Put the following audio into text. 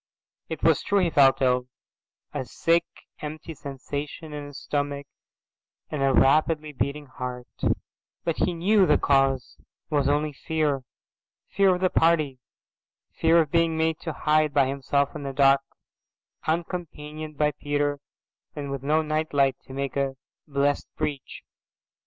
It was true he felt ill, a sick empty sensation in his stomach and a rapidly beating heart, but he knew the cause was only fear, fear of the party, fear of being made to hide by himself in the dark, uncompanioned by Peter and with no night light to make a blessed breach.